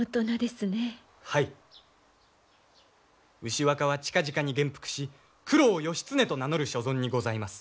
牛若は近々に元服し九郎義経と名乗る所存にございます。